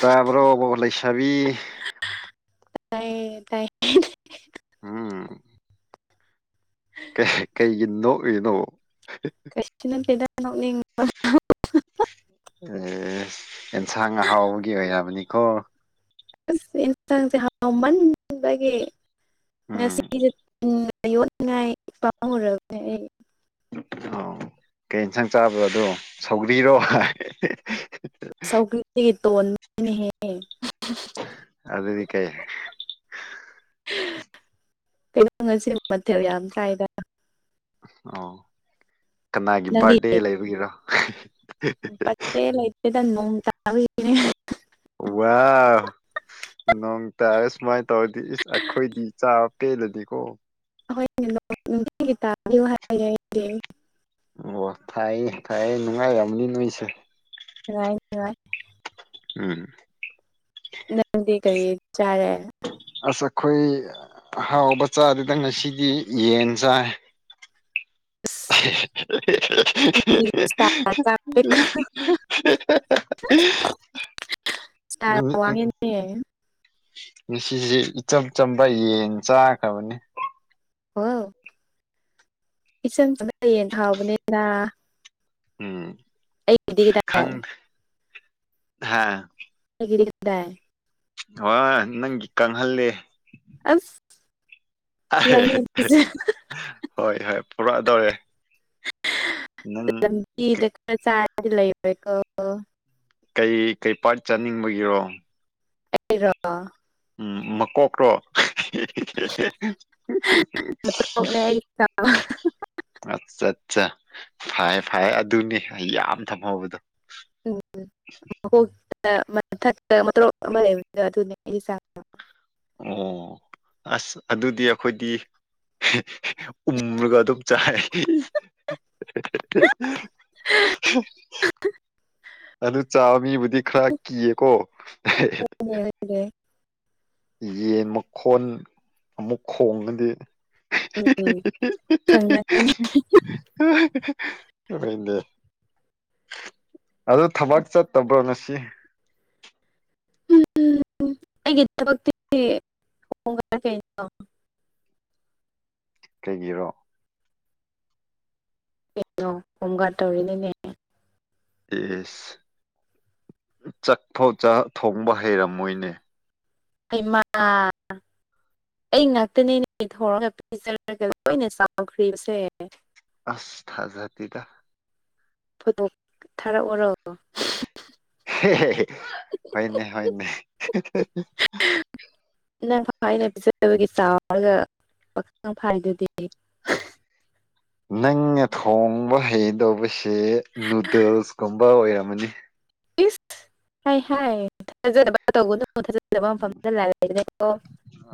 ꯇꯥꯕꯔꯣ ꯂꯩꯁꯥꯕꯤ ꯇꯥꯏꯌꯦ ꯇꯥꯏꯌꯦ ꯎꯝ ꯀꯩꯒꯤ [unintelligible] ꯀꯩꯁꯨ ꯅꯠꯇꯦꯗ ꯅꯣꯛꯅꯤꯡꯕ ꯑꯦ ꯑꯦꯟꯁꯥꯡ ꯑꯍꯥꯎꯕꯒꯤ ꯑꯣꯏꯔꯝꯅꯤꯀꯣ ꯑ ꯌꯦꯟꯁꯥꯡꯁꯦ ꯍꯥꯎꯃꯟꯕꯗꯒꯤ ꯎꯝ ꯉꯁꯤꯁꯦ ꯌꯣꯟꯠꯉꯥꯏ ꯑꯩ ꯄꯥꯝꯃꯨꯔꯕꯅꯦ ꯑꯩ ꯑ ꯀꯩ ꯏꯟꯁꯥꯡ ꯆꯥꯕꯔꯥ ꯑꯗꯣ ꯁꯧꯒꯔꯤꯔꯣ ꯁꯧꯒꯔꯤꯗꯒꯤ ꯇꯣꯟꯕꯅꯤ ꯍꯦ ꯑꯗꯨꯗꯤ ꯀꯥꯏ ꯀꯩꯅꯣ ꯉꯁꯤ ꯃꯊꯦꯜ ꯌꯥꯝ ꯀꯥꯏꯗ ꯑꯣ ꯀꯅꯥꯒꯤ ꯅꯪꯗꯤ ꯕꯥꯔꯗꯦ ꯂꯩꯕꯒꯤꯔꯣ ꯇꯦꯗ ꯅꯣꯡ ꯇꯥꯕꯅꯦ ꯋꯥ ꯅꯣꯡ ꯇꯥꯔꯦ ꯁꯨꯃꯥꯏꯅ ꯇꯧꯔꯗꯤ ꯏꯁ ꯑꯩꯈꯣꯏꯗꯤ ꯄꯦꯜꯂꯅꯤꯀꯣ [unintelligible] ꯑꯣ ꯊꯥꯏꯌꯦ ꯊꯥꯏꯌꯦ ꯅꯨꯡꯉꯥꯏꯔꯝꯅꯤ ꯅꯣꯏꯁꯦ ꯅꯨꯡꯉꯥꯏ ꯅꯨꯡꯉꯥꯏ ꯎꯝ ꯅꯪꯗꯤ ꯀꯔꯤ ꯆꯥꯔꯦ ꯑꯁ ꯑꯩꯈꯣꯏ ꯍꯥꯎꯕ ꯆꯥꯗꯦꯗꯪ ꯉꯁꯤꯗꯤ ꯌꯦꯟ ꯆꯥꯏ ꯑꯁ ꯅꯪꯗꯤ ꯁ꯭ꯇꯥꯔ [unintelligible] ꯆꯥꯕꯩ [unintelligible] [unintelligible] ꯉꯁꯤꯁꯦ ꯏꯆꯝ ꯆꯝꯕ ꯌꯦꯟ ꯆꯥꯈ꯭ꯔꯕꯅꯤ ꯍ ꯏꯆꯝ ꯆꯅ ꯍꯌꯦꯡ ꯊꯥꯎꯕꯅꯤꯅ ꯎꯝ ꯀꯗꯥꯏ ꯈꯪ ꯍꯥ ꯒꯤꯗ ꯋꯥ ꯅꯪꯒꯤ ꯀꯪꯍꯜꯜꯂꯤꯦ ꯑ ꯍꯣꯏ ꯍꯣꯏ ꯄꯨꯔꯛꯑꯗꯧꯔꯦ ꯅꯪ ꯂꯝ ꯆ ꯂꯩ ꯀꯩ ꯀꯩ ꯄꯥꯔꯠ ꯆꯥꯅꯤꯡꯕꯒꯤꯔꯣ ꯔ ꯎꯝ ꯃꯀꯣꯛꯇꯣ ꯑ ꯑꯣꯅꯦ ꯍꯥꯏ ꯑꯠꯠꯆꯥ ꯐꯩ ꯐꯔ ꯑꯗꯨꯅꯤ ꯑꯩ ꯌꯥꯝ ꯊꯝꯍꯧꯕꯗꯣ ꯃꯊ ꯑꯃ ꯂꯩꯕꯗ ꯑꯗꯨꯅꯦ ꯑꯩ ꯆ ꯑꯣ ꯑꯁ ꯑꯗꯨꯗꯤ ꯑꯩꯈꯣꯏꯗꯤ ꯎꯃ꯭ꯔꯒ ꯑꯗꯨꯝ ꯆꯥꯦ [unintelligible] ꯑꯗꯨ ꯆꯥꯕ ꯃꯤꯕꯨꯗꯤ ꯈꯔ ꯀꯤꯌꯦꯀꯣ ꯑꯣꯦ ꯌꯦꯟ ꯃꯈꯣꯟ ꯑꯃꯨꯛ ꯈꯣꯡꯉꯗꯤ ꯎꯝ ꯈꯪꯒꯅꯤ ꯗꯦ ꯑꯗꯨ ꯊꯕꯛ ꯆꯠꯇꯕ꯭ꯔꯣ ꯉꯁꯤ ꯎꯝ ꯍꯣꯡ ꯀꯦ ꯀꯩꯒꯤꯔꯣ ꯀꯩꯅꯣ ꯍꯣꯝꯒꯥꯔꯗ ꯇꯧꯔꯤꯅꯦꯅꯦ ꯌꯦꯁ ꯆꯥꯛꯐꯥꯎ ꯊꯣꯡꯕ ꯍꯩꯔꯝꯃꯣꯏꯅꯦ ꯍꯩꯃ ꯑꯩ ꯉꯥꯛꯇꯅꯦ ꯅꯨꯃꯤꯠ ꯍꯧꯔꯒ ꯄꯤꯖꯔꯒ ꯂꯣꯏꯅ ꯆꯥꯎꯈ꯭ꯔꯤꯕꯁꯦ ꯑꯁ ꯊꯖ ꯊꯤꯗ ꯐꯣꯇꯣ ꯊꯥꯔꯛꯑꯣꯔꯣ ꯍꯅꯦ ꯍꯅꯦ ꯅꯪ ꯑꯩꯅ ꯄꯤꯖꯕꯒꯤ ꯆꯥꯎꯔꯒ ꯄꯈꯪ ꯐꯥꯏꯗꯨꯗꯤ ꯅꯪꯅ ꯊꯣꯡꯕ ꯍꯩꯗꯧꯕꯁ ꯅꯨꯗꯜꯁꯀꯨꯝꯕ ꯑꯣꯏꯔꯝꯃꯅꯤ ꯏꯁ ꯍꯥꯏ ꯍꯥꯏ ꯊꯥꯖꯕ ꯇꯧꯕꯅ ꯊꯥꯖꯕ ꯃꯐꯝꯗ ꯂꯣ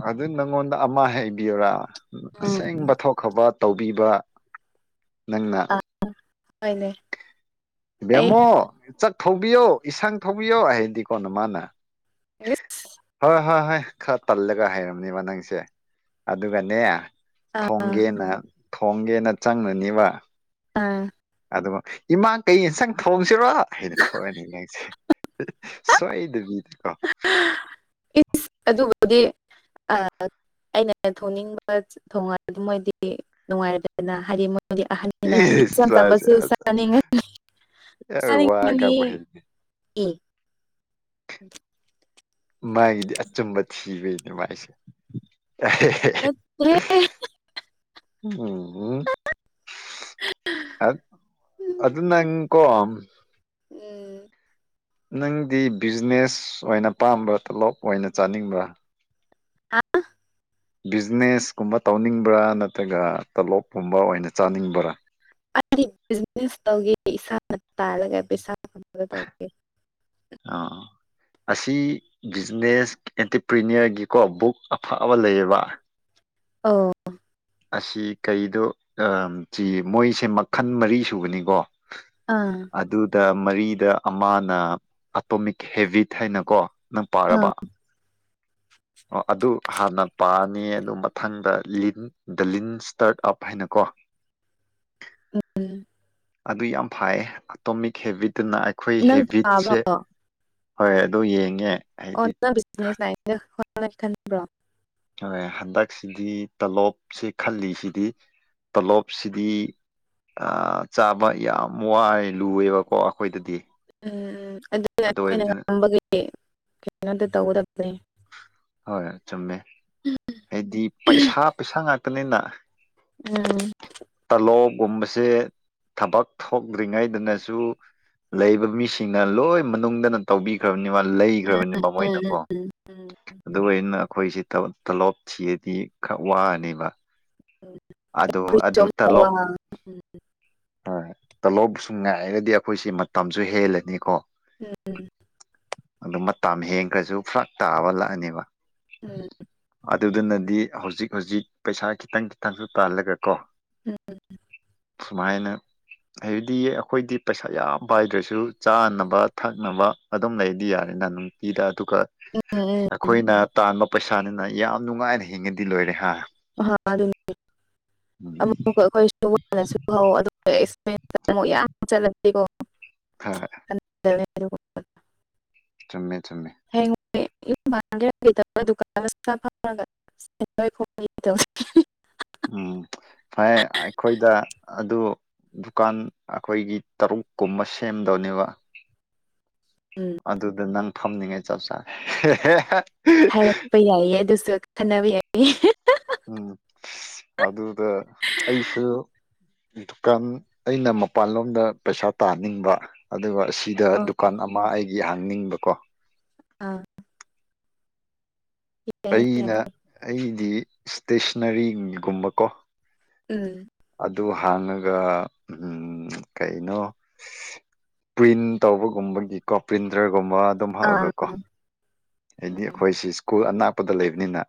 ꯑꯗꯨ ꯅꯪꯉꯣꯟꯗ ꯑꯃ ꯍꯩꯕꯤꯌꯔꯥ ꯎꯝ ꯑꯁꯦꯡꯕ ꯊꯣꯛꯈꯕ ꯇꯧꯕꯤꯕ ꯅꯪꯅ ꯍꯅꯦ ꯕꯦꯝꯃꯣ ꯆꯥꯛ ꯊꯧꯕꯤꯌꯣ ꯏꯁꯁꯥꯡ ꯊꯧꯕꯤꯌꯣ ꯍꯥꯏꯗꯤ ꯀꯣꯅ ꯃꯥꯅ ꯏꯁ ꯍ ꯍꯣꯏ ꯍꯣꯏ ꯈꯔ ꯇꯜꯂꯒ ꯍꯩꯔꯕꯝꯅꯤ ꯋꯥ ꯅꯪꯁꯦ ꯑꯗꯨꯒꯅꯦ ꯊꯣꯡꯒꯦꯅ ꯊꯣꯡꯒꯦꯅ ꯆꯪꯅꯅꯤꯕ ꯑꯥ ꯑꯗꯨꯕꯨ ꯏꯃꯥꯡ ꯀꯩ ꯏꯟꯁꯪ ꯊꯣꯡꯁꯤꯔꯣ ꯑꯩꯅ ꯊꯣꯛꯑꯅꯤ ꯅꯪꯁꯦ ꯁꯋꯥꯏꯗꯕꯤꯗ ꯀꯣ ꯏꯁ ꯑꯗꯨꯕꯨꯗꯤ ꯑ ꯑꯩꯅ ꯊꯣꯡꯅꯤꯡꯕ ꯊꯣꯡꯉꯗꯤ ꯃꯣꯏꯗꯤ ꯅꯨꯡꯉꯥꯏꯔꯦꯗꯅ ꯍꯥꯏꯗꯤ ꯃꯣꯏꯗꯤ ꯑꯍꯟ ꯑꯩꯅ ꯏꯁ ꯏꯆꯝ ꯃꯥꯁꯦ ꯇꯝꯕꯁꯨ ꯑꯁ ꯁꯅꯤ ꯌꯥꯝ ꯋꯥ ꯁꯅꯤꯡꯉꯅꯤ ꯉꯥꯡꯕ ꯍꯩꯇꯦ ꯏ [unintelligible] ꯃꯥꯒꯤꯗꯤ ꯑꯆꯨꯝꯕ ꯊꯤꯕꯩꯅꯦ ꯃꯥꯏꯁꯦ ꯅꯠꯇꯦ ꯑꯨꯝ ꯍꯨꯝ ꯑꯗꯨ ꯅꯪꯀꯣ ꯑꯨꯝ ꯅꯪꯗꯤ ꯕꯤꯖꯤꯅꯦꯁ ꯑꯣꯏꯅ ꯄꯥꯝꯕ꯭ꯔꯥ ꯇꯣꯂꯣꯞ ꯑꯣꯏꯅ ꯆꯥꯅꯤꯡꯕ꯭ꯔꯥ ꯍꯥ ꯕꯤꯖꯤꯅꯦꯁ ꯀꯨꯝꯕ ꯇꯧꯅꯤꯡꯕ꯭ꯔꯥ ꯅꯠꯇ꯭ꯔꯒ ꯇꯣꯂꯣꯞꯀꯨꯝꯕ ꯑꯣꯏꯅ ꯆꯥꯅꯤꯡꯕ꯭ꯔꯥ ꯑꯩꯗꯤ ꯕꯤꯖꯤꯅꯦꯁ ꯇꯧꯒꯦ ꯏꯁꯥꯅ ꯇꯥꯜꯂꯥꯒ ꯄꯩꯁꯥ ꯐꯪꯕꯥꯗꯣ ꯇꯧꯒꯦ ꯑꯥ ꯑꯁꯤ ꯕꯤꯖꯤꯅꯦꯁ ꯑꯦꯟꯇꯔꯄ꯭ꯔꯤꯅꯣꯔꯒꯤꯀꯣ ꯕꯨꯛ ꯑꯐꯕ ꯂꯩꯌꯦꯕ ꯑꯥꯎ ꯑꯁꯤ ꯀꯩꯗꯣ ꯑꯥ ꯃꯣꯏꯁꯦ ꯃꯈꯜ ꯃꯔꯤ ꯁꯨꯕꯅꯤꯀꯣ ꯑꯥ ꯑꯗꯨꯗꯥ ꯃꯔꯤꯗ ꯑꯃꯅ ꯑꯇꯣꯃꯤꯛ ꯍꯦꯕꯤꯠ ꯍꯥꯏꯅꯀꯣ ꯅꯪ ꯑꯥ ꯄꯥꯔꯕ ꯑꯣ ꯑꯗꯨ ꯍꯥꯟꯅ ꯄꯥꯅꯤ ꯑꯗꯨ ꯃꯊꯪꯗ ꯂꯤꯟ ꯗꯥ ꯂꯤꯟ ꯁꯇꯥꯔꯠ ꯑꯞ ꯍꯥꯏꯅꯀꯣ ꯑꯨꯝ ꯑꯗꯨ ꯌꯥꯝ ꯐꯩꯌꯦ ꯑꯇꯣꯃꯤꯛ ꯍꯦꯕꯤꯠꯇꯨꯅ ꯑꯩꯈꯣꯏ ꯅꯪ ꯍꯦꯕꯤꯠꯁꯦ ꯇꯥꯕ꯭ꯔꯣ ꯍꯣꯏ ꯑꯗꯨ ꯌꯦꯡꯉꯦ ꯑꯣ ꯍꯥꯏꯗꯤ ꯅꯪ ꯕꯤꯖꯤꯅꯦꯁ ꯂꯥꯏꯜꯗꯥ ꯍꯣꯠꯅꯥꯒꯦ ꯈꯟꯕ꯭ꯔꯣ ꯍꯣꯏ ꯍꯟꯗꯛꯁꯤꯗꯤ ꯇꯂꯣꯞꯁꯦ ꯈꯜꯂꯤꯁꯤꯗꯤ ꯇꯂꯣꯞꯁꯤꯗꯤ ꯆꯥꯕ ꯌꯥꯝ ꯋꯥꯏ ꯂꯨꯑꯦꯕꯀꯣ ꯑꯩꯈꯣꯏꯗꯗꯤ ꯎꯝ ꯎꯝ ꯑꯗꯨꯅ ꯑꯗꯨ ꯑꯩꯈꯣꯏꯅ ꯑꯣꯏꯕꯗꯨꯅ ꯉꯝꯕꯒꯤ ꯀꯩꯅꯣꯗ ꯇꯧꯒꯗꯕꯅꯤ ꯍꯣꯏ ꯆꯨꯝꯃꯦ ꯍꯥꯏꯗꯤ ꯄꯩꯁꯥ ꯄꯩꯁꯥ ꯉꯥꯛꯇꯅꯤꯅ ꯎꯝ ꯇꯥꯂꯣꯞ ꯒꯨꯝꯕꯁꯦ ꯊꯕꯛ ꯊꯣꯛꯇ꯭ꯔꯤꯉꯩꯗꯅꯁꯨ ꯂꯩꯕ ꯃꯤꯁꯤꯡꯅ ꯂꯣꯏ ꯃꯅꯨꯡꯗꯅ ꯇꯧꯕꯤꯈ꯭ꯔꯕꯅꯤꯕ ꯂꯩꯈ꯭ꯔꯕꯅꯤꯕ ꯃꯣꯏꯅꯀꯣ ꯑꯨꯝ ꯑꯗꯨꯑꯣꯏꯅ ꯑꯩꯈꯣꯏꯁꯦ ꯇꯣꯂꯣꯞ ꯊꯤꯔꯗꯤ ꯈꯔ ꯋꯥꯅꯦꯕ ꯑꯗꯨ ꯑꯗꯨ ꯇꯥꯂꯣꯞ [unintelligible] ꯍꯣꯏ ꯇꯣꯞꯁꯨ ꯉꯥꯏꯔꯗꯤ ꯑꯩꯈꯣꯏꯁꯤ ꯃꯇꯝꯁꯨ ꯍꯦꯜꯂꯥꯅꯤꯀꯣ ꯑꯨꯝ ꯑꯗꯨ ꯃꯇꯝ ꯍꯦꯟꯈ꯭ꯔꯁꯨ ꯐ꯭ꯔꯥꯛ ꯇꯥꯕ ꯂꯥꯛꯑꯅꯤꯕ ꯑꯨꯝ ꯑꯗꯨꯗꯨꯅꯗꯤ ꯍꯧꯖꯤꯛ ꯍꯧꯖꯤꯛ ꯄꯩꯁꯥ ꯈꯤꯇꯪ ꯈꯤꯇꯪꯁꯨ ꯇꯥꯜꯂꯒ ꯀꯣ ꯑꯨꯝ ꯁꯨꯃꯥꯏꯅ ꯍꯥꯏꯕꯗꯤ ꯑꯩꯈꯣꯏꯗꯤ ꯄꯩꯁꯥ ꯌꯥꯝ ꯄꯥꯏꯗ꯭ꯔꯁꯨ ꯆꯥꯅꯕ ꯊꯛꯅꯕ ꯑꯗꯨꯝ ꯂꯩꯗꯤ ꯌꯥꯔꯦꯅ ꯑꯗꯨꯒ ꯎꯝ ꯎꯝ ꯎꯝ ꯑꯩꯈꯣꯏꯅ ꯇꯥꯟꯕ ꯄꯩꯁꯥꯅꯤꯅ ꯌꯥꯝ ꯅꯨꯡꯉꯥꯏꯅꯥ ꯍꯤꯡꯉꯥꯗꯤ ꯂꯣꯏꯔꯦ ꯍꯥ ꯍꯥ ꯑꯗꯨꯅꯦ ꯎꯝ ꯑꯃꯨꯛꯀꯥ ꯑꯈꯣꯏꯁꯨ [unintelligible] [unintelligible] [unintelligible] ꯆꯨꯝꯃꯦ ꯆꯨꯝꯃꯦ [unintelligible] [unintelligible] ꯎꯝ ꯐꯩ ꯑꯩꯈꯣꯏꯗꯥ ꯑꯗꯨ ꯗꯨꯀꯥꯟ ꯑꯩꯈꯣꯏꯒꯤ ꯇꯔꯨꯛ ꯀꯨꯝꯕ ꯁꯦꯝꯗꯧꯅꯦꯕ ꯎꯝ ꯑꯗꯨꯗ ꯅꯪ ꯐꯝꯅꯤꯡꯉꯥꯏ ꯆꯞ ꯆꯥꯔꯦ ꯍꯥꯏꯔꯛꯄ ꯌꯥꯏꯌꯦ ꯑꯗꯨꯁꯨ ꯈꯟꯅꯕ ꯌꯥꯏꯌꯦ [unintelligible] ꯎꯝ ꯑꯗꯨꯗ ꯑꯩꯁꯨ ꯗꯨꯀꯥꯟ ꯑꯩꯅ ꯃꯄꯥꯟꯂꯣꯝꯗ ꯄꯩꯁꯥ ꯇꯥꯅꯤꯡꯕ ꯑꯗꯨꯒ ꯑꯁꯤꯗ ꯑꯣ ꯗꯨꯀꯥꯟ ꯑꯃ ꯑꯩꯒꯤ ꯍꯥꯡꯅꯤꯡꯕꯀꯣ ꯑꯥ ꯌꯥꯏꯌꯦ ꯌꯥꯏꯌꯦ ꯑꯩꯅ ꯑꯩꯗꯤ ꯏꯁꯇꯦꯁꯅꯔꯤꯒꯨꯝꯕꯀꯣ ꯎꯝ ꯑꯗꯨ ꯍꯥꯡꯉꯒ ꯎꯝ ꯀꯩꯅꯣ ꯄ꯭ꯔꯤꯟ ꯇꯧꯕꯒꯨꯝꯕꯒꯤꯀꯣ ꯄ꯭ꯔꯤꯟꯇꯔꯒꯨꯝꯕ ꯑꯗꯨꯝ ꯑꯥ ꯍꯥꯞꯑꯒꯀꯣ ꯍꯥꯏꯗꯤ ꯑꯩꯈꯣꯏꯁꯤ ꯁ꯭ꯀꯨꯜ ꯑꯅꯥꯛꯄꯗ ꯂꯩꯕꯅꯤꯅ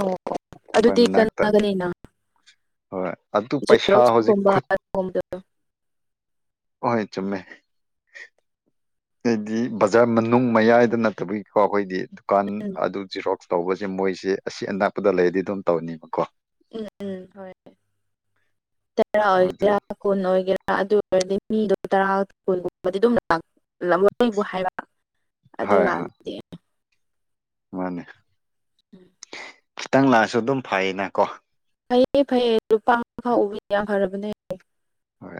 ꯑꯣ ꯑꯣ ꯑꯈꯣꯏ ꯑꯗꯨꯗꯤ ꯃꯅꯥꯛꯇ ꯀꯅꯥꯒꯅꯤꯅ ꯍꯣꯏ ꯑꯗꯨ ꯄꯩꯁꯥ ꯍꯧꯖꯤꯛ ꯖꯦꯔꯣꯛꯁꯀꯨꯝꯕ ꯈꯨꯠ ꯑꯗꯨꯒꯨꯝꯕꯗꯣ ꯍꯣꯏ ꯆꯨꯝꯃꯦ ꯍꯥꯏꯗꯤ ꯕꯖꯥꯔ ꯃꯅꯨꯡ ꯃꯌꯥꯏꯗ ꯅꯠꯇꯕꯒꯤꯀꯣ ꯑꯩꯈꯣꯏꯗꯤ ꯗꯨꯀꯥꯟ ꯎꯝ ꯑꯗꯨ ꯖꯤꯔꯣ ꯇꯧꯕꯁꯦ ꯃꯣꯏꯁꯦ ꯑꯁꯤ ꯑꯅꯛꯄꯗ ꯂꯩꯔꯗꯤ ꯑꯗꯨꯝ ꯇꯧꯅꯤꯕꯀꯣ ꯎꯝ ꯎꯝ ꯍꯣꯏ ꯇꯔꯥ ꯑꯗꯨ ꯑꯣꯏꯒꯦꯔꯥ ꯀꯨꯟ ꯑꯣꯏꯒꯦꯔꯥ ꯑꯗꯨ ꯑꯣꯏꯔꯗꯤ ꯃꯤꯗꯣ ꯇꯔꯥ ꯀꯨꯟꯒꯨꯝꯕꯗꯤ ꯑꯗꯨꯝ [unintelligible] ꯑꯩꯕꯨ ꯍꯥꯏꯔ ꯑꯗꯨ ꯍꯣꯏ ꯍꯣꯏ ꯀꯥꯟꯗꯗꯤ ꯃꯥꯅꯦ [unintelligible] ꯈꯤꯇꯪ ꯂꯥꯛꯑꯁꯨ ꯑꯗꯨꯝ ꯐꯩꯌꯦꯅ ꯀꯣ ꯐꯩꯌꯦ ꯐꯩꯌꯦ ꯂꯨꯄꯥ ꯐꯥꯎ ꯎꯕꯤ ꯌꯥꯝ ꯐꯔꯕꯅꯦ ꯍꯣꯏ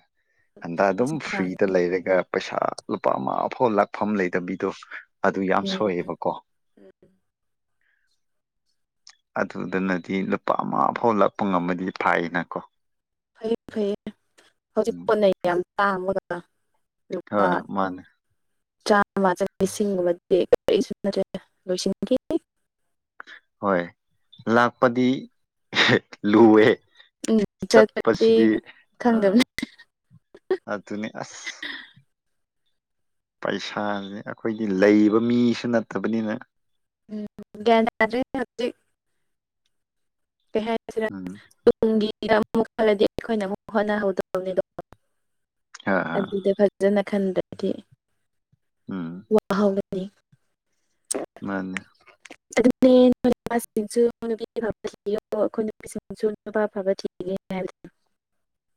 ꯍꯟꯗꯛ ꯑꯗꯨꯝ ꯐ꯭ꯔꯤꯗ ꯂꯩꯔꯒ ꯄꯩꯁꯥ ꯂꯨꯄꯥ ꯑꯃ ꯑꯐꯥꯎ ꯂꯥꯛꯐꯝ ꯂꯩꯇꯕꯤꯗꯣ ꯑꯗꯨ ꯌꯥꯝ ꯎꯝ ꯁꯣꯛꯑꯦꯕꯀꯣ ꯑꯗꯨꯗꯅꯗꯤ ꯂꯨꯄꯥ ꯑꯃ ꯐꯥꯎ ꯂꯥꯛꯄ ꯉꯝꯃꯗꯤ ꯐꯥꯏꯌꯦꯅꯀꯣ ꯐꯩꯌꯦ ꯐꯩꯌꯦ ꯍꯧꯖꯤꯛ ꯎꯝ ꯀꯣꯟꯅ ꯌꯥꯝ ꯇꯥꯡ [unintelligible] ꯂꯨꯄꯥ ꯍꯣꯏ ꯃꯥꯅꯦ ꯆꯥꯝꯃ ꯆ [unintelligible] ꯂꯤꯁꯤꯡꯒꯨꯝꯕꯗꯤ ꯀꯔꯤꯁꯨ ꯅꯠꯇꯦ ꯂꯣꯏꯁꯟꯈꯤꯅꯤ ꯍꯣꯏ ꯂꯥꯛꯄꯗꯤ ꯂꯨꯑꯦ ꯎꯝ ꯆꯠꯄꯗꯤ ꯆꯠꯄꯁꯤꯗꯤ ꯑ ꯈꯪꯗꯕꯅꯦ ꯑꯗꯨꯅꯤ ꯑꯁ ꯄꯩꯁꯥꯖꯦ ꯑꯩꯈꯣꯏꯒꯤ ꯂꯩꯕ ꯃꯤꯁꯨ ꯅꯠꯇꯕꯅꯤꯅ ꯎꯝ [unintelligible] ꯍꯧꯖꯤꯛ ꯀ ꯍꯥꯏ [unintelligible] ꯎꯝ ꯇꯨꯡꯒꯤ ꯑꯃꯨꯛ [unintelligible] ꯑꯩꯈꯣꯏꯅ ꯑꯃꯨꯛ ꯍꯣꯠꯅꯍꯧꯗꯕꯅꯤꯗꯣ ꯑꯥ ꯑꯥ ꯗ ꯐꯖꯅ ꯈꯟꯗ꯭ꯔꯗꯤ ꯎꯝ ꯋꯥꯍꯧꯅꯤ ꯅꯤ [unintelligible] ꯃꯥꯅꯦ ꯑꯗꯨꯅꯦ ꯅꯣꯏ ꯅꯨꯄꯥꯁꯤꯡꯁꯨ [unintelligible] ꯊꯤꯌꯣ ꯑꯩꯈꯣꯏ ꯅꯨꯄꯤꯁꯤꯡꯁꯨ ꯅꯨꯄꯥ ꯑꯐꯕ ꯊꯤꯒꯦ ꯍꯥꯏꯕ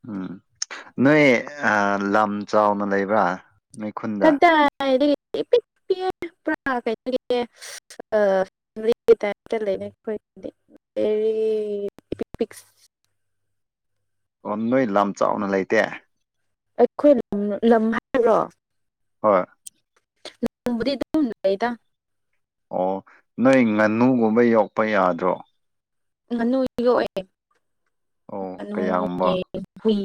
ꯎꯝ ꯅꯣꯏ ꯑ ꯂꯝ ꯆꯥꯎꯅ ꯂꯩꯕ꯭ꯔꯥ ꯅꯣꯏ ꯈꯨꯟꯗ ꯀꯗꯥꯏꯗꯒꯤ ꯏꯄꯤꯛ ꯄꯤꯛꯑꯦ ꯄꯨꯔꯥ [unintelligible] ꯑ [unintelligible] ꯇꯥꯏꯞꯇ ꯂꯩꯔꯦ ꯑꯈꯣꯏꯒꯤꯗꯤ ꯑꯦꯔꯤ [unintelligible] ꯑꯣ ꯅꯣꯏ ꯂꯝ ꯆꯥꯎꯅ ꯂꯩꯇꯦ ꯑꯩꯈꯣꯏ ꯂꯝ ꯂꯝ ꯍꯥꯏꯕ꯭ꯔꯣ ꯍꯣꯏ ꯂꯝꯕꯨꯗꯤ ꯑꯗꯨꯝ ꯂꯩꯗ ꯑꯣ ꯅꯣꯏ ꯉꯥꯅꯨꯒꯨꯝꯕ ꯌꯣꯛꯄ ꯌꯥꯗ꯭ꯔꯣ ꯉꯥꯅꯨ ꯌꯣꯛꯑꯦ ꯑꯣ ꯉꯥꯅꯨ ꯀꯌꯥꯒꯨꯝꯕ ꯌꯦ ꯍꯨꯏ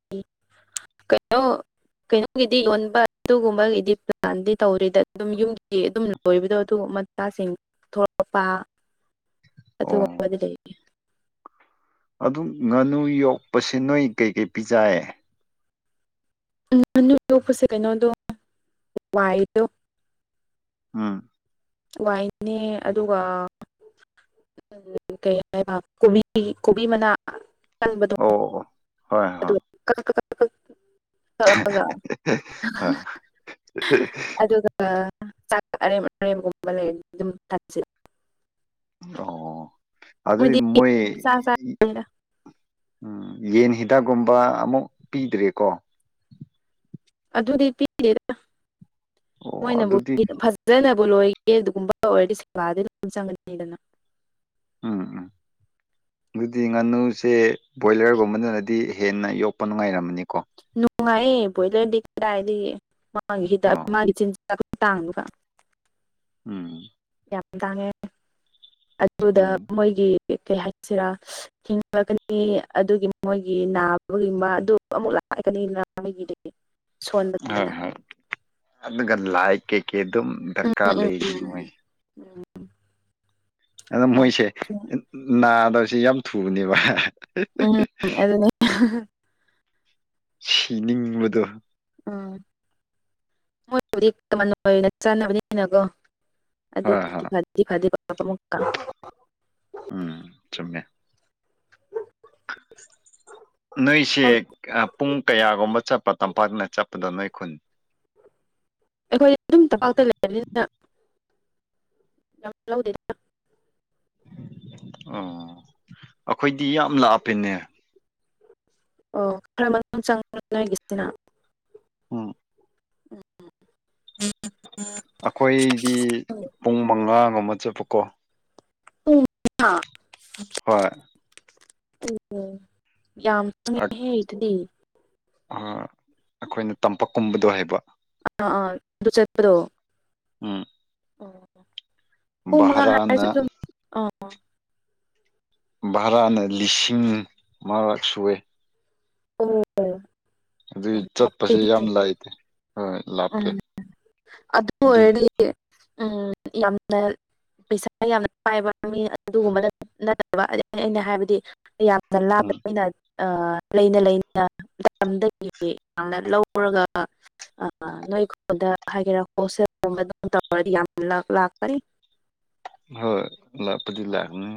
ꯀꯩꯅꯣ ꯀꯩꯅꯣꯒꯤꯗꯤ ꯌꯣꯟꯕ ꯑꯗꯨꯒꯨꯝꯕꯒꯤꯗꯤ ꯄ꯭ꯂꯥꯟꯗꯤ ꯇꯧꯔꯦꯗꯠ ꯑꯗꯨꯝ ꯌꯨꯝꯒꯤ ꯑꯗꯨꯝ ꯂꯣꯏꯕꯗꯣ ꯑꯗꯨꯑꯨꯝ ꯃꯊꯥꯁꯤꯡ ꯊꯣꯑꯛꯄ ꯑꯣ ꯑꯗꯨꯒꯨꯝꯕꯗꯤ ꯂꯩꯌꯦ ꯑꯗꯨꯝ ꯉꯥꯅꯨ ꯌꯣꯛꯄꯁꯤ ꯅꯣꯏ ꯀꯩꯀꯩ ꯄꯤꯖꯥꯏꯌꯦ ꯉꯅꯨ ꯌꯣꯛꯄꯁꯦ ꯀꯩꯅꯣꯗꯣ ꯋꯥꯏꯗꯣ ꯎꯝ ꯋꯥꯏꯅꯦ ꯑꯗꯨꯒ ꯀꯩ ꯍꯥꯏꯕ ꯀꯣꯕꯤ ꯀꯣꯕꯤ ꯃꯅꯥ ꯀꯟꯕꯗꯣ ꯑꯣ ꯑꯣ ꯍꯣꯏ ꯍꯣꯏ ꯑꯗꯨꯒ ꯀꯛ ꯀꯛ ꯀꯛ ꯀꯛ ꯀꯛꯑꯒ ꯍꯣꯏ ꯑꯗꯨꯒ ꯒ ꯆꯥꯛ ꯑꯔꯦꯝ ꯑꯔꯦꯝꯒꯨꯝꯕ ꯂꯩꯔꯗꯤ ꯗꯨꯝ ꯊꯥꯠꯆꯤꯠ ꯑꯣ ꯑꯗꯨꯗꯤ ꯃꯣꯏꯗꯤ ꯃꯣꯏ ꯆꯥ ꯆꯥꯅꯤꯗ ꯎꯝ ꯌꯦꯟ ꯍꯤꯗꯥꯛꯒꯨꯝꯕ ꯑꯃꯨꯛ ꯄꯤꯗ꯭ꯔꯦꯀꯣ ꯑꯗꯨꯗꯤ ꯄꯤꯗꯦꯗ ꯑꯣ ꯃꯣꯏꯅꯕꯨ ꯑꯗꯨꯗꯤ ꯏꯗꯝ ꯐꯖ ꯐꯖꯅꯕꯨ ꯂꯣꯏꯒꯦ ꯑꯗꯨꯒꯨꯝꯕ ꯑꯣꯏꯔꯗꯤ ꯁꯦꯕꯥꯗꯤ ꯑꯗꯨꯝ ꯆꯪꯒꯅꯤꯗꯅ ꯎꯝ ꯎꯝ ꯑꯗꯨꯗꯤ ꯉꯥꯅꯨꯁꯦ ꯕꯣꯏꯂꯔꯒꯨꯝꯕꯅꯗꯤ ꯍꯦꯟꯅ ꯌꯣꯛꯄ ꯅꯨꯡꯉꯥꯏꯔꯝꯃꯅꯤꯀꯣ ꯅꯨꯡꯉꯥꯏꯌꯦ ꯕꯣꯏꯂꯔꯗꯤ ꯀꯗꯥꯏꯗꯏ ꯃꯥꯒꯤ ꯍꯤꯗ ꯑꯣ ꯃꯥꯒꯤ ꯆꯤꯆꯥꯛ ꯀꯨꯇꯥꯡꯗꯨ ꯒ ꯎꯝ ꯌꯥꯝ ꯇꯥꯡꯉꯦ ꯑꯗꯨꯗ ꯎꯝ ꯃꯣꯏꯒꯤ ꯀꯩ ꯍꯥꯏꯠꯁꯤꯔꯥ ꯍꯤꯡꯉꯛꯀꯅꯤ ꯑꯗꯨꯒꯤ ꯃꯣꯏꯒꯤ ꯅꯥꯕꯏꯝꯃ ꯑꯗꯨ ꯑꯃꯨꯛ ꯂꯥꯛꯀꯅꯤꯅ ꯍꯣꯏ ꯁꯣꯟꯕꯃꯤꯅꯥ ꯍꯣꯏ ꯑꯗꯨꯒ ꯂꯥꯏꯛ ꯀꯩꯀꯦ ꯑꯗꯨꯝ ꯎꯝ ꯗꯔꯀꯥ ꯎꯝ ꯂꯩꯔꯤ ꯃꯣꯏꯁꯦ ꯎꯝ ꯑꯗꯨ ꯃꯣꯏꯁꯦ ꯎꯝ ꯅꯥꯗꯁꯨ ꯌꯥꯝ ꯊꯨꯕꯅꯦꯕ ꯎꯝ ꯑꯗꯨꯅꯦ ꯁꯤꯅꯤꯡꯕꯗꯨ ꯑ ꯃꯣꯏꯕꯨꯗꯤ ꯀꯃꯟ ꯑꯣꯏꯅ ꯆꯥꯅꯕꯅꯤꯅꯒꯣ ꯍꯣꯏ ꯑꯗꯨꯒꯨꯗꯤ ꯍꯣꯏ ꯐꯠꯗꯤ ꯐꯥꯗꯤꯕ ꯑꯃꯨꯛꯀ ꯎꯝ ꯆꯨꯝꯃꯦ ꯅꯣꯏꯁꯦ ꯀꯩꯌ ꯄꯨꯡ ꯀꯌꯥꯒꯨꯝꯕ ꯆꯞꯄ ꯇꯝꯄꯥꯛꯅ ꯆꯞꯄꯗꯣ ꯅꯣꯏ ꯈꯨꯟ ꯑꯩꯈꯣꯏ ꯑꯗꯨꯝ ꯇꯝꯄꯥꯛꯇ ꯂꯩꯔꯅꯤꯅ ꯂꯧꯗꯦꯗ ꯑꯣ ꯑꯈꯣꯏꯗꯤ ꯌꯥꯝ ꯂꯥꯞꯄꯦꯅꯦ ꯑꯣ ꯈꯔ ꯃꯅꯨꯝ ꯆꯪꯕ꯭ꯔꯥ ꯅꯣꯏꯒꯤꯁꯤꯅ ꯑꯝ ꯎꯝ ꯎꯝ ꯑꯈꯣꯏꯗꯤ ꯄꯨꯡ ꯃꯉꯥꯉꯨꯝꯕ ꯆꯄꯀꯣ ꯑꯥ ꯍꯣꯏ ꯇꯨꯏꯤꯛ ꯑ ꯌꯥꯝ ꯈꯪ ꯉꯦꯍꯦ ꯗꯨꯗꯤ ꯑ ꯑꯈꯣꯏꯅ ꯇꯝꯄꯛꯀꯨꯝꯕꯗꯣ ꯍꯥꯏꯕ ꯑꯥ ꯑꯥ ꯑꯟ ꯗꯨ ꯆꯠꯄꯗꯣ ꯎꯝ ꯑꯣ ꯄꯨꯡ ꯃꯉꯥ ꯚꯔꯥꯅ ꯍꯥꯏꯔꯁꯨ ꯏꯌꯨꯝ ꯚꯔꯥꯅ ꯂꯤꯁꯤꯡ ꯃꯔꯛ ꯁꯨꯏꯌꯦ ꯑꯣ ꯑꯗꯨꯏ ꯌꯥꯝ ꯆꯠꯄꯁꯦ ꯂꯥꯞꯄꯦꯍꯦ ꯌꯥꯝ ꯂꯥꯏꯇꯦ ꯍ ꯂꯥꯞꯀꯦ ꯎꯝ ꯑꯗꯨ ꯑꯣꯏꯔꯗꯤ ꯎꯝ ꯌꯥꯝꯅꯠ ꯄꯩꯁꯥ ꯌꯥꯝꯅ ꯄꯥꯏꯕ ꯃꯤ ꯑꯗꯨꯒꯨꯝꯕ ꯅꯠ ꯅꯠꯇꯕ ꯑꯗꯤ ꯑꯩꯅ ꯍꯥꯏꯕꯗꯤ ꯌꯥꯝꯅ ꯎꯝ ꯂꯥꯞꯄꯟꯃꯤꯅꯠ ꯂꯩꯅ ꯂꯩꯅ ꯃꯇꯝꯗꯒꯤ ꯌꯥꯝꯅ ꯂꯧꯔꯒ ꯅꯣꯏ ꯈꯕꯗ ꯍꯥꯏꯒꯦꯔꯜ ꯇꯧꯔꯗꯤ ꯌꯥꯝ ꯂꯥꯛꯀꯅꯤ ꯍꯣꯏ ꯂꯥꯛꯄꯗꯤ ꯂꯥꯛꯅꯤ